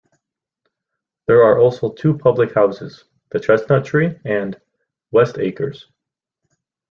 There are also two public houses, "The Chestnut Tree" and "Westacres".